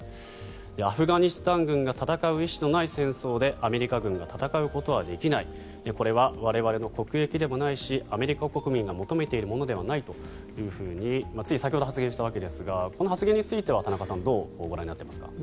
アフガニスタン軍が戦う意思のない戦争でアメリカ軍が戦うことはできないこれは我々の国益でもないしアメリカ国民が求めているものではないというふうについ先ほど発言したわけですがこの発言については田中さんどうご覧になっていますか？